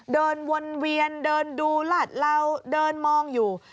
เดินวนเวียนเดินดูหลาดเหลาเดินมองอยู่